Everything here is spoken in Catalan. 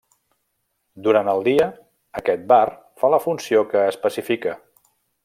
Durant el dia, aquest bar fa la funció que especifica.